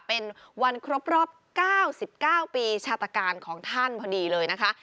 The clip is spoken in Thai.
เป็นวันครบรอบ๙๙ปีชาตการของท่านพอดีเลยนะคะ